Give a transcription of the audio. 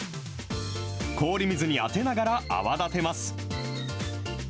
氷水に当てながら泡立てます。